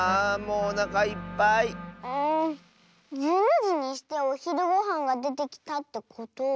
うん１２じにしておひるごはんがでてきたってことは。